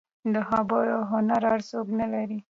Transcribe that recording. د خبرو هنر هر څوک نه لري.